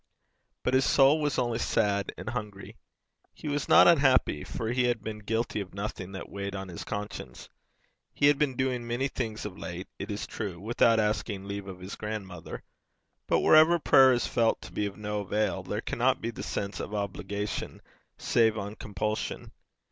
But his soul was only sad and hungry. He was not unhappy, for he had been guilty of nothing that weighed on his conscience. He had been doing many things of late, it is true, without asking leave of his grandmother, but wherever prayer is felt to be of no avail, there cannot be the sense of obligation save on compulsion.